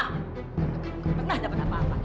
kamu gak pernah dapat apa apa